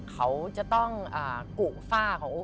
เขาจะต้องกุฟ่าของอุ๊ค